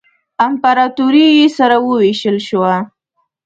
امپراطوري یې سره ووېشل شوه.